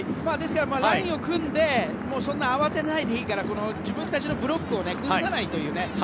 ですからラインを組んでそんなに慌てないでいいから自分たちのブロックを崩さないというね。